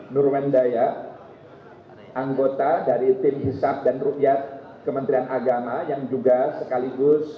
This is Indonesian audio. nurwendaya anggota dari tim hisap dan rukyat kementerian agama yang juga sekaligus